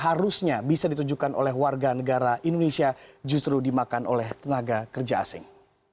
harusnya bisa ditujukan oleh warga negara indonesia justru dimakan oleh tenaga kerja asing